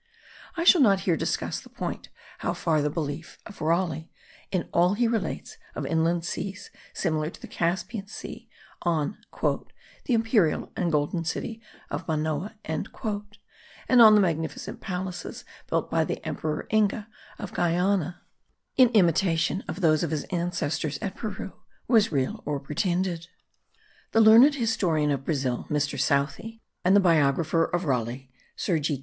I shall not here discuss the point how far the belief of Raleigh, in all he relates of inland seas similar to the Caspian sea; on "the imperial and golden city of Manoa," and on the magnificent palaces built by the emperor Inga of Guyana, in imitation of those of his ancestors at Peru, was real or pretended. The learned historian of Brazil, Mr. Southey, and the biographer of Raleigh, Sir G.